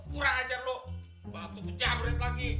kurang ajar lo batu kejamret lagi